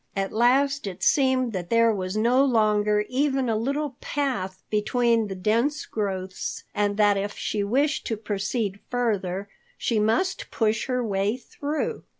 At last it seemed that there was no longer even a little path between the dense growths and that if she wished to proceed further, she must push her way through.